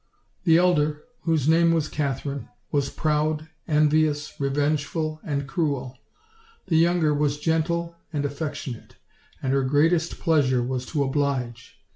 The elder, whose name was Katheriue, was proud, envious, revenge ful, and cruel, The younger was gentle and affection ate; and her greatest pleasure was to oblige.